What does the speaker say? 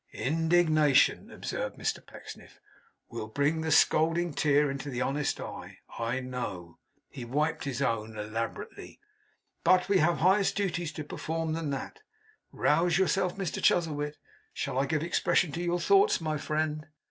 'Indignation,' observed Mr Pecksniff, 'WILL bring the scalding tear into the honest eye, I know' he wiped his own elaborately. 'But we have highest duties to perform than that. Rouse yourself, Mr Chuzzlewit. Shall I give expression to your thoughts, my friend?